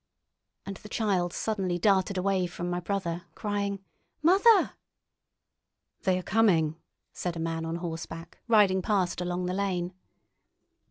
And the child suddenly darted away from my brother, crying "Mother!" "They are coming," said a man on horseback, riding past along the lane.